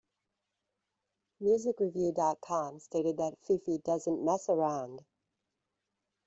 Music-Review dot com stated that Fefe doesn't mess around.